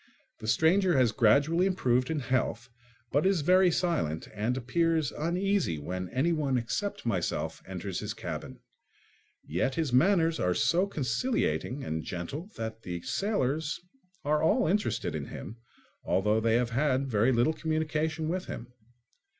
The stranger has gradually improved in health but is very silent and appears uneasy when anyone except myself enters his cabin. Yet his manners are so conciliating and gentle that the sailors are all interested in him, although they have had very little communication with him.